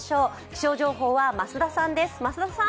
気象情報は増田さんです。